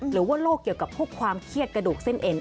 หรือว่าโรคเกี่ยวกับพวกความเครียดกระดูกเส้นเอ็น